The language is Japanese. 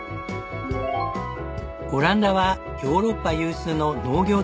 オランダはヨーロッパ有数の農業大国。